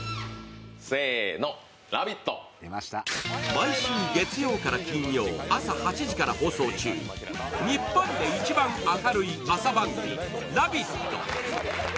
毎週月曜から金曜、朝８時から放送中、日本で一番明るい朝番組「ラヴィット！」。